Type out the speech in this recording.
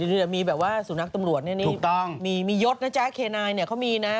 ก็นี่มีแบบว่าสู่นักตำรวจนี่มียศนะจ๊ะเคนายเขามีนะ